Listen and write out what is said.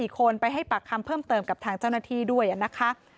๔คนไปให้ปากคำเพิ่มเติมกับทางเจ้าหน้าที่ด้วยนะคะ